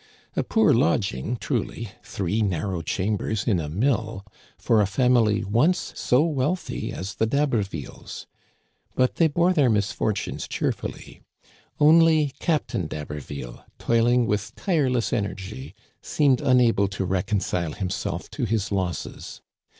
A poor lodging, truly — three narrow chambers in a mill — for a family once so wealthy as the D'Habervilles ! But they bore their misfortunes cheerfully. Only Cap tain d'Haberville, toiling with tireless energy, seemed unable to reconcile himself to his losses.